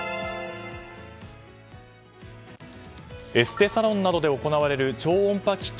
エステサロンなどで行われる超音波機器